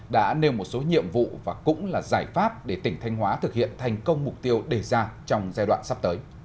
đã nêu một số nhiệm vụ và cũng là giải pháp để tỉnh thanh hóa thực hiện thành công mục tiêu đề ra trong giai đoạn sắp tới